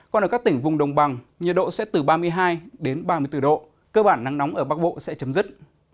còn ở các tỉnh vùng đồng bằng nhiệt độ sẽ từ ba mươi hai đến ba mươi bốn độ cơ bản nắng nóng ở bắc bộ sẽ chấm dứt